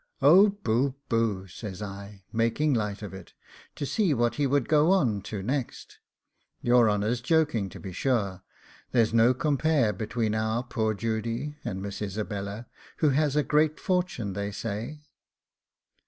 Oh boo! boo!' says I, making light of it, to see what he would go on to next; 'your honour's joking, to be sure; there's no compare between our poor Judy and Miss Isabella, who has a great fortune, they say.